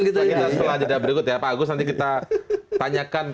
setelah jadwal berikut ya pak agus nanti kita tanyakan